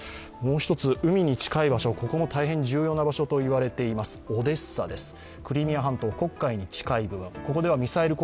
もう一つ、海に近い場所、ここも大変重要な場所と言われています、オデッサです。